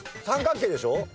三角形でしょ